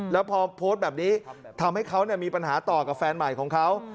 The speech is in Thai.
แล้วพอโพสต์แบบนี้ทำให้เขามีปัญหาต่อกับแฟนใหม่ของเขา